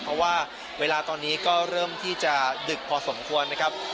เพราะว่าเวลาตอนนี้ก็เริ่มที่จะดึกพอสมควรนะครับ